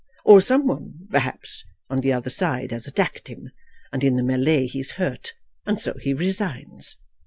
Or some one, perhaps, on the other side has attacked him, and in the mêlée he is hurt, and so he resigns.